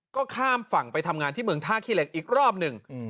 ก็ข้ามฝั่งไปทำงานที่เมืองท่าขี้เหล็กอีกรอบหนึ่ง